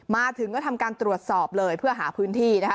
มาถึงก็ทำการตรวจสอบเลยเพื่อหาพื้นที่นะคะ